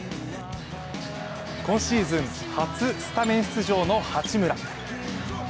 今シーズン初、スタメン出場の八村。